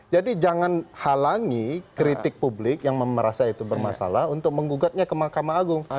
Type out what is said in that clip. jadi jangan halangi kritik publik yang merasa itu bermasalah untuk mengugatnya ke mahkamah agung